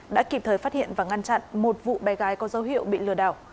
đã kịp thời phát hiện và ngăn chặn một vụ bé gái có dấu hiệu bị lừa đảo